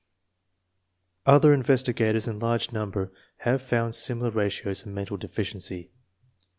Other investigators in large number have found similar ratios of mental deficiency.